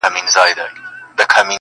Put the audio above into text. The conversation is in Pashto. چي هغوى خيالي ټوكران پرې ازمېيله!!